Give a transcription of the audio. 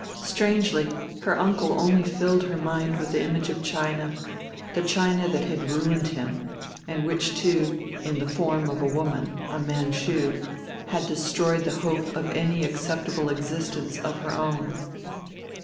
Strangely her uncle only filled her mind with the image of China, the China that had ruined him, and which, too, in the form of a woman, a Manchu, had destroyed the hope of any acceptable existence of her own.